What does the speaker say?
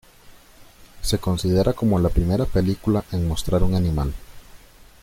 Se considera como la primera película en mostrar un animal.